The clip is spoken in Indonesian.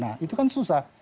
nah itu kan susah